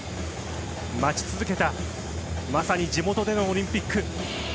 待ち続けたまさに地元でのオリンピック。